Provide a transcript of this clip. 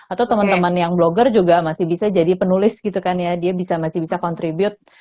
atau teman teman yang blogger juga masih bisa jadi penulis gitu kan ya dia bisa masih bisa contribute